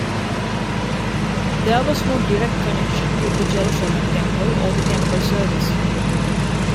There was no direct connection with the Jerusalem Temple or the Temple service.